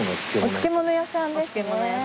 お漬物屋さんですね。